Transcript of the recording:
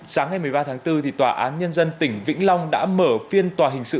sáng ngày một mươi ba tháng bốn tòa án nhân dân tỉnh vĩnh long đã mở phiên tòa hình sự